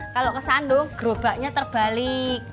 kalo ke sandung gerobaknya terbalik